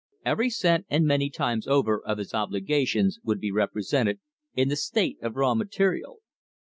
Every cent, and many times over, of his obligations would be represented in the state of raw material.